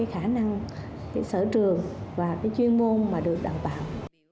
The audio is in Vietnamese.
khả năng sở trường và chuyên môn mà được đảm bảo